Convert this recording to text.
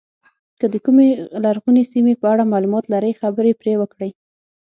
که د کومې لرغونې سیمې په اړه معلومات لرئ خبرې پرې وکړئ.